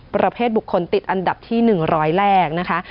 ประเภทบุคคลติดอันดับที่๑๐๐แรกนะคะ